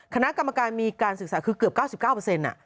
คณะกรรมการมีการศึกษาคือเกือบ๙๙